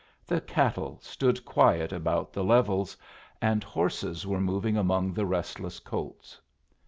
The cattle stood quiet about the levels, and horses were moving among the restless colts.